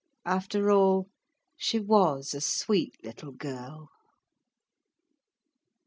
After all, she was a sweet little girl.